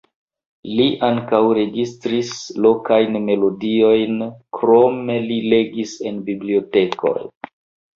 Li ankaŭ registris lokajn melodiojn, krome li legis en bibliotekoj.